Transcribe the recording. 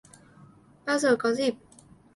Bao giờ có dịp